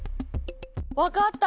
分かった。